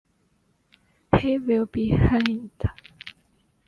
He will be hanged!